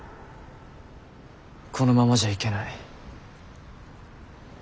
このままじゃ行けない。